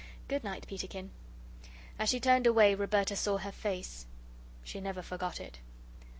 "Good night, Peterkin." As she turned away Roberta saw her face. She never forgot it.